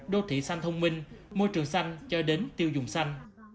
đô thị xanh thông minh môi trường xanh cho đến tiêu dùng xanh